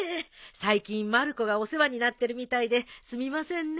最近まる子がお世話になってるみたいですみませんね。